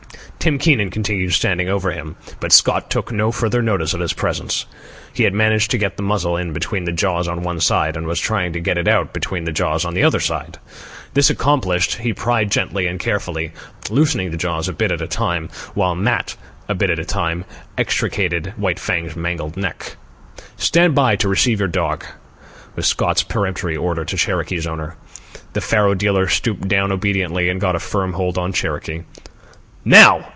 Tim Keenan continued standing over him, but Scott took no further notice of his presence. He had managed to get the muzzle in between the jaws on one side, and was trying to get it out between the jaws on the other side. This accomplished, he pried gently and carefully, loosening the jaws a bit at a time, while Matt, a bit at a time, extricated White Fang's mangled neck. "Stand by to receive your dog," was Scott's peremptory order to Cherokee's owner. The faro dealer stooped down obediently and got a firm hold on Cherokee. "Now!"